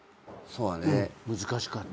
難しかった。